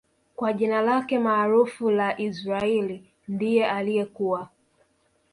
kwa jina lake maarufu la Israaiyl ndiye aliyekuwa